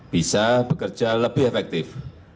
bisa bekerja lebih efektif